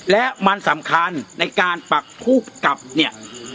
และมันสำคัญในการปักทูบกลับเนี่ย